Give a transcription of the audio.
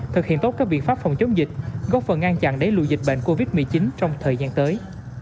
thực hiện tốt các biện pháp phòng chống dịch góp phần ngăn chặn đẩy lùi dịch bệnh covid một mươi chín trong thời gian tới